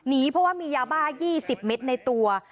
เพราะว่ามียาบ้า๒๐เมตรในตัว